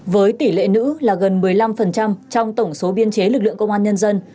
với tỷ lệ nữ là gần một mươi năm trong tổng số biên chế lực lượng công an nhân dân